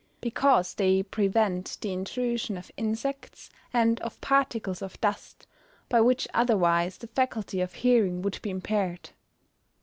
_ Because they prevent the intrusion of insects, and of particles of dust, by which otherwise the faculty of hearing would be impaired.